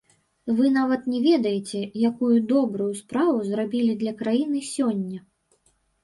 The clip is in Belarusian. Вы нават не ведаеце, якую добрую справу зрабілі для краіны сёння.